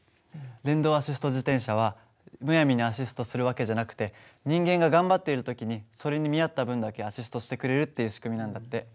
電動アシスト自転車はむやみにアシストする訳じゃなくて人間が頑張っている時にそれに見合った分だけアシストしてくれるっていう仕組みなんだって。